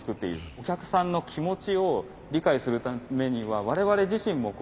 お客さんの気持ちを理解するためには我々自身も動くものを作ると。